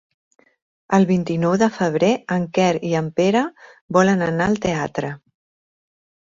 El vint-i-nou de febrer en Quer i en Pere volen anar al teatre.